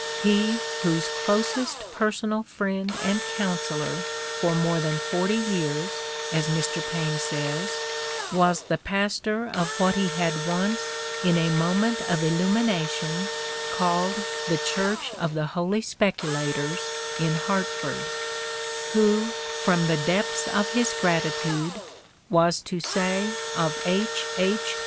He whose '' closest personal friend and counselor for more than forty years," as Mr. Paine says, was the pastor of what he had once, in a moment of illumination, called the '' Church of the Holy Speculators" in Hartford; who, from the depths of his gratitude, was to say of H. H.